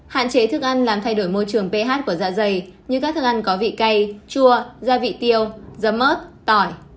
hạn chế thức ăn làm thay đổi môi trường ph của dạ dày như các thức ăn có vị cay chua gia vị tiêu giấm ớt tỏi